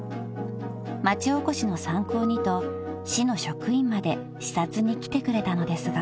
［町おこしの参考にと市の職員まで視察に来てくれたのですが］